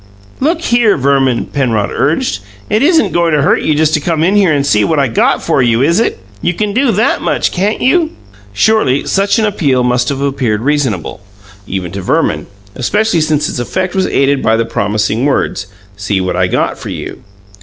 "Look here, Verman," Penrod urged. "It isn't goin' to hurt you just to come in here and see what I got for you, is it? You can do that much, can't you?" Surely such an appeal must have appeared reasonable, even to Verman, especially since its effect was aided by the promising words, "See what I got for you."